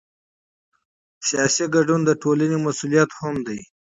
سیاسي مشارکت د ټولنې مسؤلیت هم دی